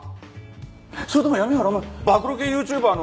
それとも闇原お前暴露系ＹｏｕＴｕｂｅｒの。